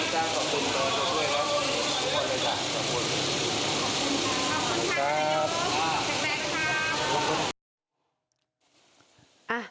ขอบคุณค่ะงับมาก